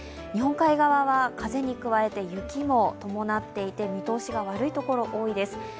日本海側は風に加えて雪も伴っていて見通しが悪いところ、多いです。